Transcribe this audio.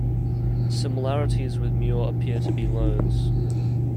Similarities with Mure appear to be loans.